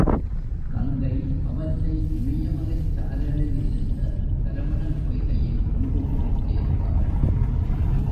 கங்கை அவற்றை இமயமலைச் சாரலில் இருந்த சரவணப் பொய்கையில் கொண்டு போய்ச் சேர்த்தாள்.